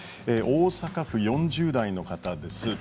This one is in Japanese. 大阪府４０代の方です。